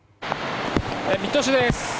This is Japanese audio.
水戸市です。